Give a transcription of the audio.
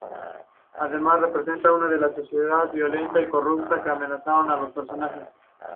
Además, representa a una sociedad violenta y corrupta que amenaza a los personajes.